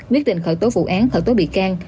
quyết định khởi tố vụ án khởi tố bị can